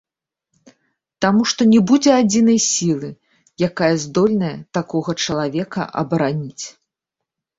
Таму што не будзе адзінай сілы, якая здольная такога чалавека абараніць.